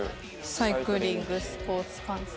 サイクリングスポーツ観戦。